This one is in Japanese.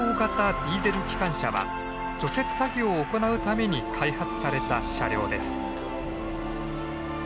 ディーゼル機関車は除雪作業を行うために開発された車両です。